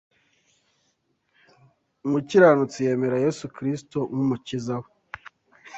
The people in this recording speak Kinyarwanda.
Umukiranutsi yemera Yesu Kristo nk’Umukiza we